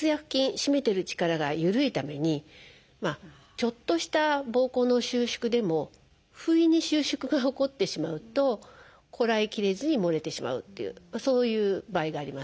締めてる力が緩いためにちょっとしたぼうこうの収縮でも不意に収縮が起こってしまうとこらえきれずにもれてしまうっていうそういう場合があります。